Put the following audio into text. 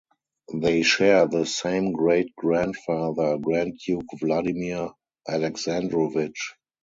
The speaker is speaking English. They share the same great-grandfather, Grand Duke Vladimir Alexandrovich.